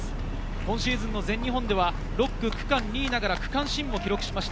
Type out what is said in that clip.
今シーズン、全日本では６区、区間２位ながら区間新を記録しました。